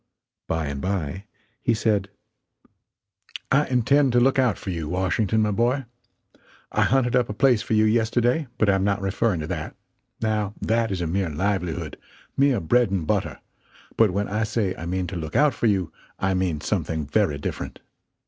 Bye and bye, he said: "I intend to look out for you, Washington, my boy. I hunted up a place for you yesterday, but I am not referring to that, now that is a mere livelihood mere bread and butter; but when I say I mean to look out for you I mean something very different.